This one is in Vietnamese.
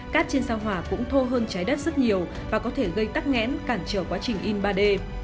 cát trên sao hỏa cũng thô hơn trái đất rất nhiều và có thể gây tắc nghẽn cản trở quá trình in ba d